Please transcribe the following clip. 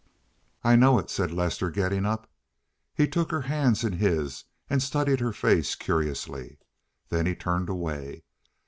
"I know it," said Lester, getting up. He took her hands in his, and studied her face curiously. Then he turned away.